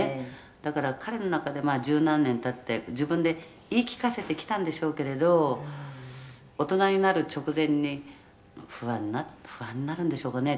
「だから彼の中で十何年経って自分で言い聞かせてきたんでしょうけれど大人になる直前に不安に不安になるんでしょうかね」